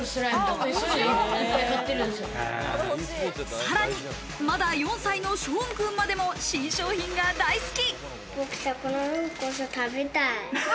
さらに、まだ４歳のショーンくんまでも新商品が大好き。